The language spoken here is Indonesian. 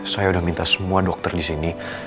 saya udah minta semua dokter disini